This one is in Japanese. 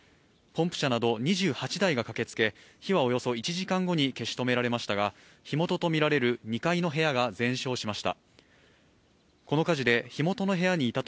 ポンプ車など２８台が駆けつけ、火はおよそ１時間後に消し止められましたが、火元と見られる２階の部屋が全焼しました。